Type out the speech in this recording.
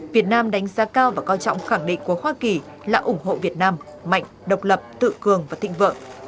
việt nam đánh giá cao và coi trọng khẳng định của hoa kỳ là ủng hộ việt nam mạnh độc lập tự cường và thịnh vượng